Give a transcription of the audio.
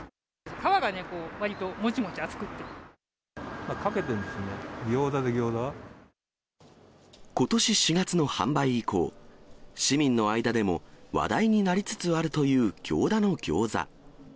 皮がね、かけてるんですよね、行田でことし４月の販売以降、市民の間でも話題になりつつあるという行田の餃子。